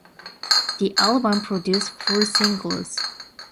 The album produced four singles.